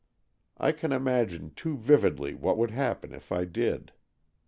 I can imagine too vividly what would happen if I did.